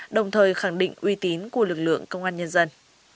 đồng thời khẳng định uy tín của lực lượng công an nhân dân